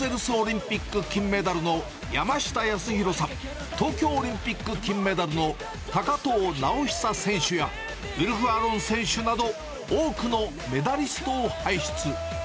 ＯＢにはロサンゼルスオリンピック金メダルの山下やすひろさん、東京オリンピック金メダルの高藤直寿選手や、ウルフ・アロン選手など、多くのメダリストを輩出。